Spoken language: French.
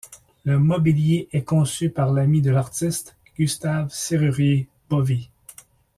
Le mobilier est conçu par l'ami de l'artiste, Gustave Serrurier-Bovy.